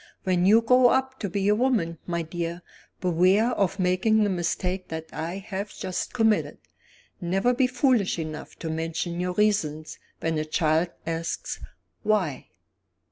"When you grow up to be a woman, my dear, beware of making the mistake that I have just committed. Never be foolish enough to mention your reasons when a child asks, Why?"